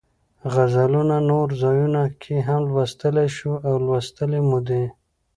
غزلونه نورو ځایونو کې لوستلی شو او لوستې مو دي.